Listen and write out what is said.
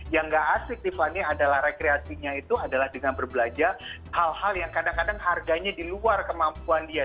yang gak asik tiffany adalah rekreasinya itu adalah dengan berbelanja hal hal yang kadang kadang harganya di luar kemampuan dia